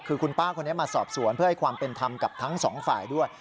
คือคุณป้าคนนี้มาสอบสวนเพื่อให้ความเป็นธรรมกับทั้งสองฝ่ายด้วย